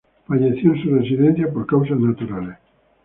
Falleció en su residencia por causas naturales.